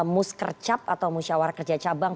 mus kercap atau musawarah kerja cabang